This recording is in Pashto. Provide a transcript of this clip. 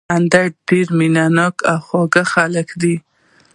اندړ ډېر مېنه ناک او خواږه خلک دي